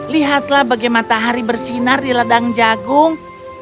lihatlah bagaimana matahari bersinar di ladang jagung